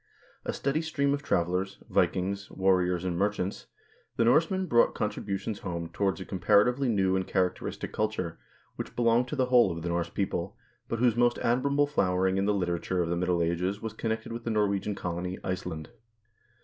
A steady stream of travellers Vikings, war riors, and merchants the Norsemen brought con tributions home towards a comparatively new and characteristic culture, which belonged to the whole of the Norse people, but whose most admirable flowering in the literature of the middle ages was connected with the Norwegian colony, Iceland.